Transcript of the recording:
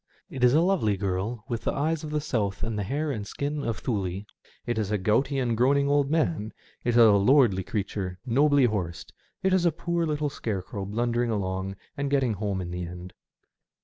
It is a lovely girl with the eyes of the South and the hair and skin of Thnle, it is a gouty and groaning old man, it is a lordly creature, nobly horsed, it is a poor little scarecrow blundering along and getting home in the end.